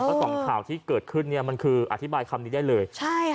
เพราะสองข่าวที่เกิดขึ้นเนี่ยมันคืออธิบายคำนี้ได้เลย